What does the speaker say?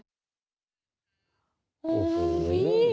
จับมือไป